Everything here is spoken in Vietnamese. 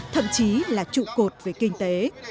thậm chí là trụ cột về kinh tế